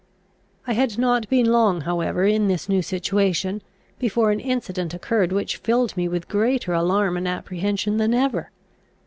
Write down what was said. I had not been long however in this new situation, before an incident occurred which filled me with greater alarm and apprehension than ever.